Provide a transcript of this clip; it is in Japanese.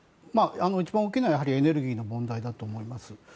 一番大きいのはエネルギーの問題だと思います。